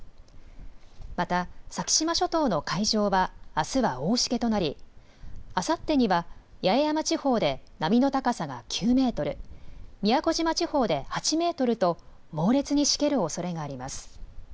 また先島諸島の海上はあすは大しけとなり、あさってには八重山地方で波の高さが９メートル、宮古島地方で８メートルと猛烈にしけるおそれがあります。